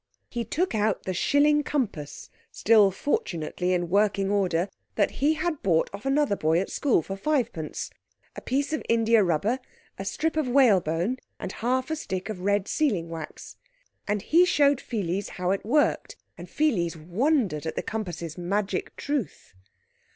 He took out the shilling compass, still, fortunately, in working order, that he had bought off another boy at school for fivepence, a piece of indiarubber, a strip of whalebone, and half a stick of red sealing wax. And he showed Pheles how it worked. And Pheles wondered at the compass's magic truth.